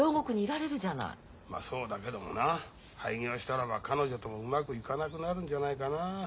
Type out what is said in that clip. まあそうだけどもな廃業したらば彼女ともうまくいかなくなるんじゃないかな。